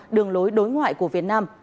đường lối đối ngoại của việt nam